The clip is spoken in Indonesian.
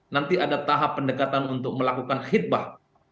nanti ada tahap pendekatan untuk melakukan khidbah